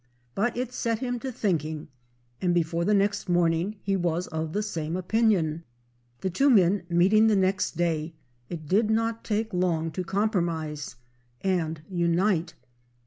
But it set him to thinking and before the next morning he was of the same opinion. The two men meeting the next day it did not take long to compromise and unite. Mr.